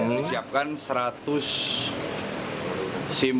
kita siapkan seratus sim